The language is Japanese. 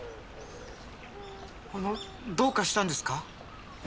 あのどうかしたんですか？